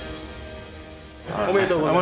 おめでとうございます。